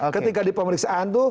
ketika di pemeriksaan itu